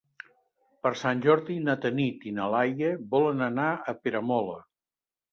Per Sant Jordi na Tanit i na Laia volen anar a Peramola.